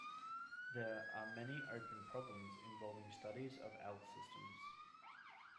There are many open problems involving studies of L-systems.